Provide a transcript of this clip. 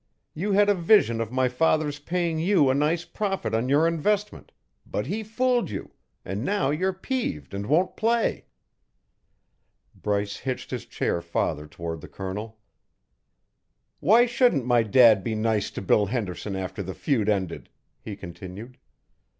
You had a vision of my father's paying you a nice profit on your investment, but he fooled you, and now you're peeved and won't play." Bryce hitched his chair farther toward the Colonel. "Why shouldn't my dad be nice to Bill Henderson after the feud ended?" he continued.